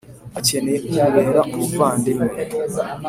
akeneyeumubera umuvandimwe,